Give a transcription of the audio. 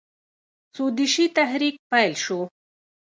سودیشي تحریک پیل شو.